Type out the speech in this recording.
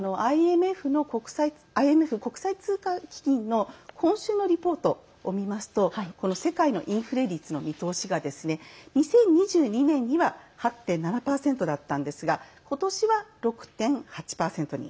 ＩＭＦ＝国際通貨基金の今週のリポートを見ますと世界全体インフレ率の見通しは２０２２年には８．７％だったんですが今年は６．８％に。